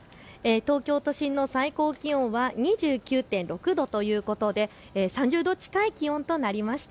東京都心の最高気温は２９．６度ということで３０度近い気温となりました。